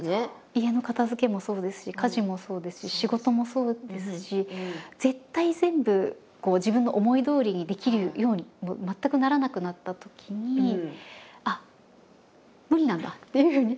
家の片づけもそうですし家事もそうですし仕事もそうですし絶対全部こう自分の思いどおりにできるように全くならなくなったときにあっ無理なんだっていうふうに。